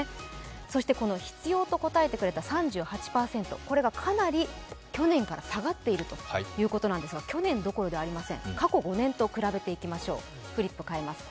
そして、必要と答えてくれた３８％、これがかなり去年から下がっているということなんですが、去年どころではありません、過去５年と比べていきましょう。